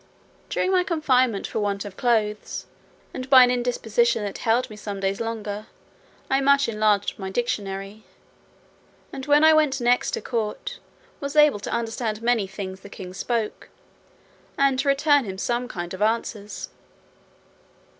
During my confinement for want of clothes, and by an indisposition that held me some days longer, I much enlarged my dictionary; and when I went next to court, was able to understand many things the king spoke, and to return him some kind of answers.